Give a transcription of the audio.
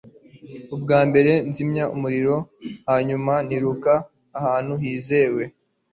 Ubwa mbere, nzimya umuriro hanyuma nirukira ahantu hizewe.